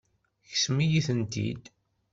Tekksem-iyi-tent-id.